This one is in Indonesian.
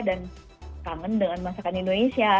dan kangen dengan masakan indonesia